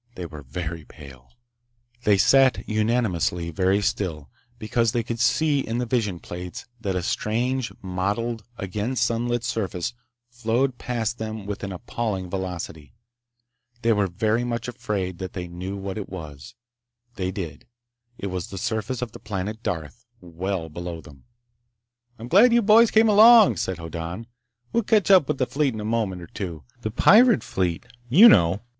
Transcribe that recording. They were very pale. They sat unanimously very still, because they could see in the vision plates that a strange, mottled, again sunlit surface flowed past them with an appalling velocity. They were very much afraid that they knew what it was. They did. It was the surface of the planet Darth, well below them. "I'm glad you boys came along," said Hoddan. "We'll catch up with the fleet in a moment or two. The pirate fleet, you know!